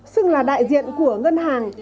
xưng là đại diện của ngân hàng